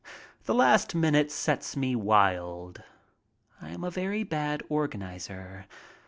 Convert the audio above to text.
The last minute sets me wild. I am a very bad organizer.